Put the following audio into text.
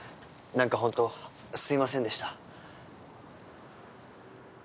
何かホントすいませんでした。